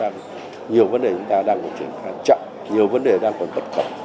nhiều vấn đề chúng ta đang có chuyện khá chậm nhiều vấn đề đang còn bất cập